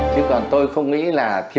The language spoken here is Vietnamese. chứ còn tôi không nghĩ là